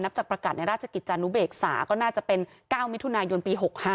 จากประกาศในราชกิจจานุเบกษาก็น่าจะเป็น๙มิถุนายนปี๖๕